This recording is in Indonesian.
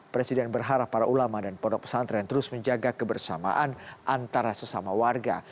presiden berharap para ulama dan pondok pesantren terus menjaga kebersamaan antara sesama warga